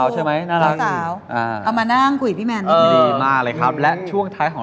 คุณเป๊กปริมานัจนั่นเอง